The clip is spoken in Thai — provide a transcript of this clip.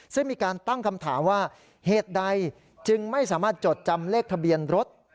ซึ่งมีการตั้งคำถามว่าเหตุใดจึงไม่สามารถจดจำเลขทะเบียนรถ